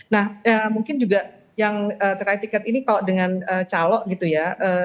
nah mungkin juga yang terkait tiket ini kalau dengan calok gitu ya